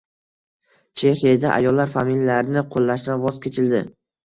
Chexiyada ayollar familiyalarini qo‘llashdan voz kechildi